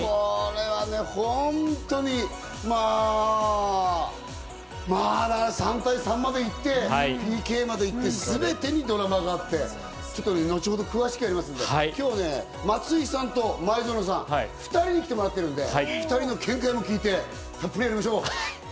ほんとにまぁ、３対３まで行って、ＰＫまで行って、すべてにドラマがあって、後ほど詳しくやりますんで今日、松井さんと前園さん、２人に来てもらってるんで、２人の見解も聞いて、たっぷりやりましょう。